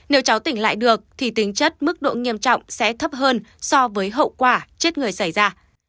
nếu cháu tỉnh lại được thì tính chất mức độ nghiêm trọng sẽ thấp hơn so với hậu quả chết người xảy ra